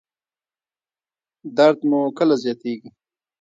درد مو کله زیاتیږي؟